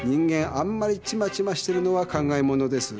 あんまりチマチマしてるのは考えものです。